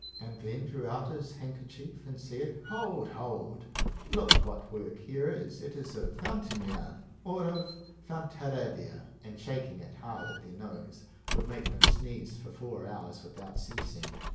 and then drew out his handkerchief, and said, Hold, hold, look what work here is, it is of Foutignan or of Fontarabia, and shaking it hard at their nose, made them sneeze for four hours without ceasing.